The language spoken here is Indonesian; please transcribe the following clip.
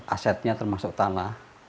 asetnya termasuk tanah